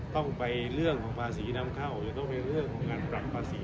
ต้องไปเรื่องของภาษีนำเข้าจะต้องไปเรื่องของการปรับภาษี